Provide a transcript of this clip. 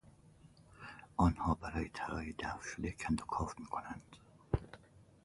آنها برای یافتن طلای دفن شده کند و کاو میکنند.